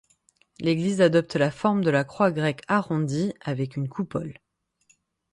L'église adopte la forme de la croix grecque arrondie avec une coupole.